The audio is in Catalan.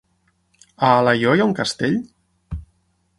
A Alaior hi ha un castell?